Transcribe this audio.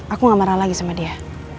aku gak marah lagi sama dia